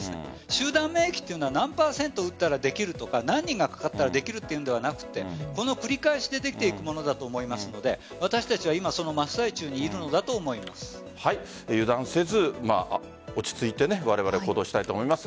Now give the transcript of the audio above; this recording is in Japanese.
集団免疫は何％打ったらできるとか何人がかかったらできるというのではなく繰り返しでできていくものだと思いますので私たちは今その真っ最中にいるのだと油断せず落ち着いてわれわれ行動したいと思います。